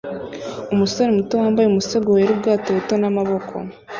Umusore muto wambaye umusego wera ubwato buto n'amaboko